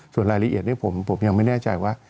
ส่วนรายละเอียดผมยังไม่แน่ใจว่า